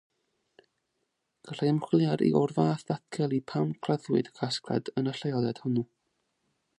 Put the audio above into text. Gallai ymchwiliad o'r fath ddatgelu pam claddwyd y casgliad yn y lleoliad hwnnw.